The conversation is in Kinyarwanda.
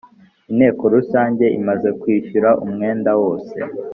Inteko rusange imaze kwishyura umwenda wose